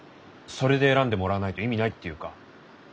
それで選んでもらわないと意味ないっていうか。